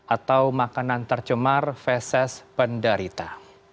atau makanan tercemar fesis penderita